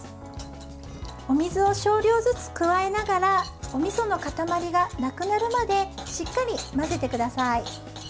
お水を少量ずつ加えながらおみその塊がなくなるまでしっかり混ぜてください。